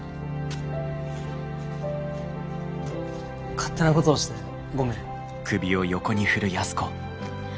勝手なことをしてごめん。